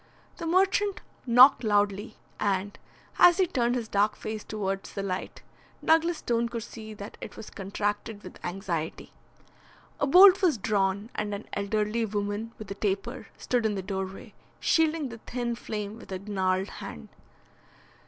The merchant knocked loudly, and, as he turned his dark face towards the light, Douglas Stone could see that it was contracted with anxiety. A bolt was drawn, and an elderly woman with a taper stood in the doorway, shielding the thin flame with her gnarled hand.